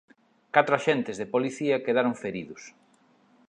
Catro axentes de policía quedaron feridos.